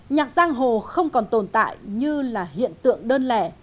nhạc giang hồ không còn tồn tại như là hiện tượng đơn lẻ